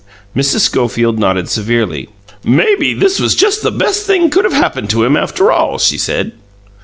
Mrs. Schofield nodded severely. "Maybe this was just the best thing could have happened to him, after all," she said.